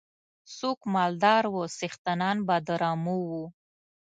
څوک مالدار وو څښتنان به د رمو وو.